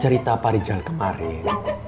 cerita parijal kemarin